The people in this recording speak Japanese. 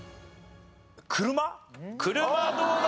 車どうだ？